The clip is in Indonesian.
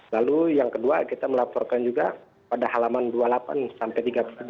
lalu yang kedua kita melaporkan juga pada halaman dua puluh delapan sampai tiga puluh tujuh